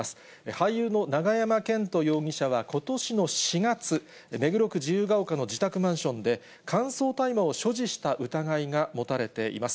俳優の永山絢斗容疑者はことしの４月、目黒区自由が丘の自宅マンションで、乾燥大麻を所持した疑いが持たれています。